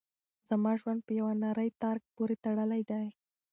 زما ژوند په یوه نري تار پورې تړلی دی.